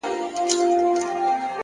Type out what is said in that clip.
هوډ د وېرې غږ کمزوری کوي!.